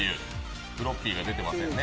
フロッピーが出てませんね。